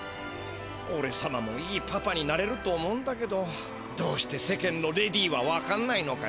おれさまもいいパパになれると思うんだけどどうして世間のレディーはわかんないのかな。